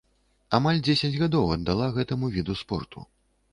Амаль дзесяць гадоў аддала гэтаму віду спорту.